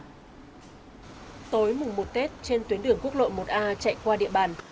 tối mùng một tết trên tuyến đường quốc lộ một a chạy qua địa bàn